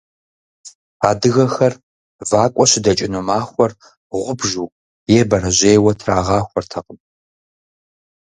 Адыгэхэр вакӀуэ щыдэкӀыну махуэр гъубжу е бэрэжьейуэ трагъахуэртэкъым.